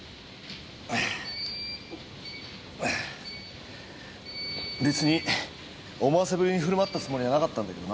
別に思わせぶりに振る舞ったつもりはなかったんだけどなぁ。